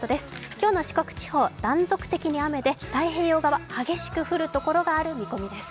今日の四国地方、断続的に雨で太平洋側、激しく降るところがある見込みです。